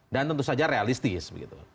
dan tentu saja realistis begitu